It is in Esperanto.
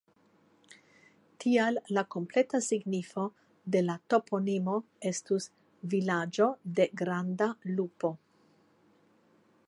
Tial la kompleta signifo de la toponimo estus "vilaĝo de granda lupo".